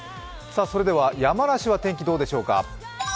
それでは、山梨は天気どうでしょうか？